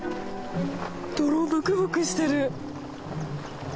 泥ブクブクしてる。